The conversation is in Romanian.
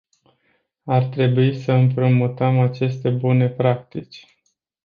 Ar trebui să împrumutăm aceste bune practici.